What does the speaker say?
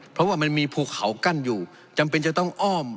เพราะว่ามันมีภูเขากั้นอยู่จำเป็นจะต้องอ้อม